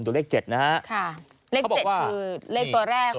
ดูเลข๗นะครับ